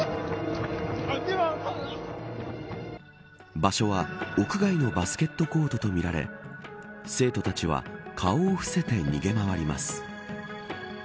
場所は、屋外のバスケットコートとみられ生徒たちは顔を伏せて逃げ回ります。